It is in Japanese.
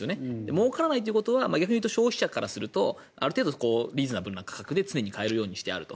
もうからないということは逆に言うと消費者からいうとリーズナブルな価格で買えるようになっていると。